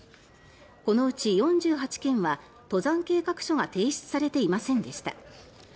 このうち４８件は、登山計画書が提出されていませんでした。